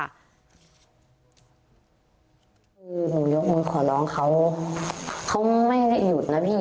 คือหนูยกมือขอร้องเขาเขาไม่ได้หยุดนะพี่